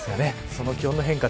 その気温の変化